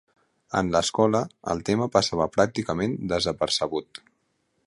En l'escola, el tema passava pràcticament desapercebut.